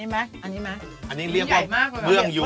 ไม่ฟง